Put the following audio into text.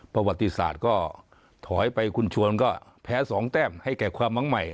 ประวัติศาสตร์ก็ถอยไปคุณชวนก็แพ้๒แต้มให้แก่ความมั้งใหม่